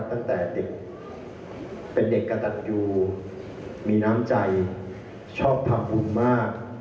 ตั้งแต่เป็นเด็กกระตัดอยู่มีน้ำใจชอบภาคภูมิมาก